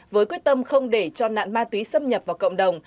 với quyết tâm không để cho nạn ma túy xâm nhập vào cộng đồng